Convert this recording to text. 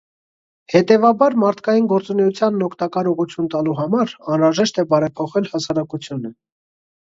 Հետևաբար, մարդկային գործունեությանն օգտակար ուղղություն տալու համար անհրաժեշտ է բարեփոխել հասարակությունը։